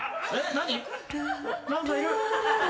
何かいる。